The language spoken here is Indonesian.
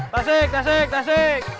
tasik tasik tasik